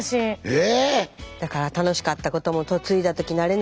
え！